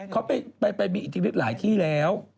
เขาไปมีอิทธิฤทธิหลายที่แล้ว